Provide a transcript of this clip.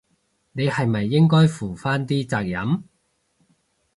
你係咪應該負返啲責任？